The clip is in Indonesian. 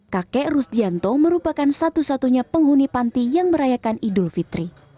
kakek rusdianto merupakan satu satunya penghuni panti yang merayakan idul fitri